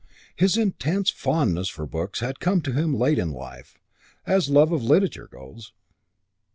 His intense fondness for books had come to him late in life, as love of literature goes.